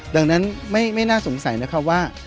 ดังนั้นไม่น่าสงสัยนะคะว่า